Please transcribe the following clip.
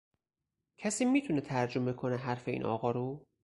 کسی میتونه ترجمه کنه حرف این آقا رو؟